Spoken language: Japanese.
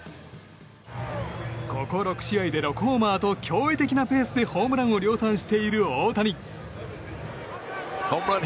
ここ６試合で６ホーマーと驚異的なペースでホームランを量産している大谷。